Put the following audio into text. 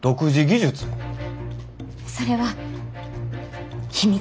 それは秘密です。